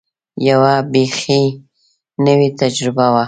یوه بېخي نوې تجربه وه.